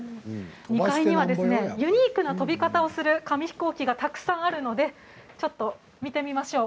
２階にはユニークな飛び方をする紙ヒコーキがたくさんあるのでちょっと見てみましょう。